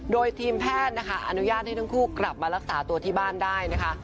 โดยทีมแพทย์นะคะอนุญาตให้ทั้งคู่กลับมารักษาตัวที่บ้านได้นะคะ